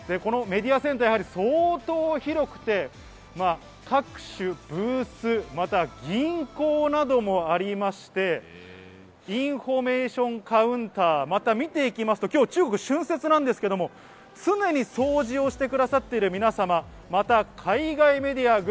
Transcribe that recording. メディアセンター、相当広くて、各種ブース、また銀行などもありまして、インフォメーションカウンター、また見ていくと、中国は春節なんですけれど、常に掃除をしてくださっている皆様、また、海外メディア。